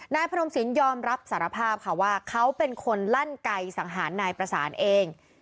นายพนมสินยอมรับสารภาพค่ะว่าเขาเป็นคนลั่นไก่สังหารนายประสานเอง